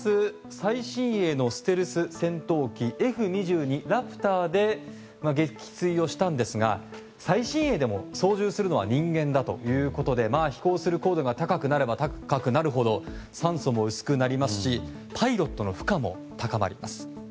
最新鋭のステルス戦闘機Ｆ２２ラプターで撃墜をしたんですが最新鋭でも操縦するのは人間だということで飛行する高度が高くなれば高くなるほど酸素も薄くなりますしパイロットの負荷も高まります。